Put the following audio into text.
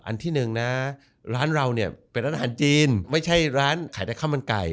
อันที่หนึ่งนะร้านเราเนี่ยเป็นร้านอาหารจีนไม่ใช่ร้านขายแต่ข้าวมันไก่